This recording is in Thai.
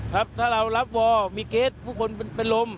ครับถ้าเรารับวอร์มีเกสผู้คนเป็นลม